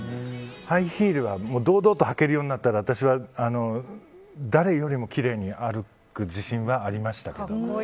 ハイヒールを堂々と履けるようになったら誰よりもきれいに歩く自信はありました。